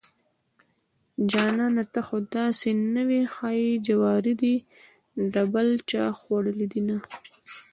جانانه ته خوداسې نه وې ښايي جواري دې دبل چاخوړلي دينه